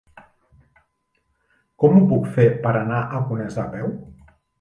Com ho puc fer per anar a Conesa a peu?